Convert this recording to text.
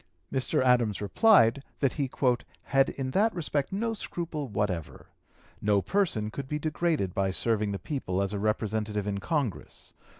Mr. Adams replied, that he "had in that respect no scruple whatever. No person could be degraded by serving the people as a Representative in Congress.